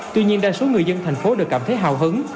tuy nhiên đa số người dân thành phố đều cảm thấy hào hứng